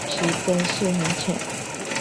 其根系很浅。